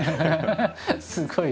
すごい！